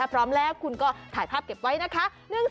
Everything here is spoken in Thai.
พร้อมแล้วคุณก็ถ่ายภาพเก็บไว้นะคะ